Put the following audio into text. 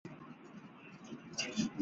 赵佳恩作艺名。